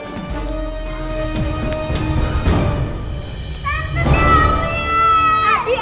sam su dewi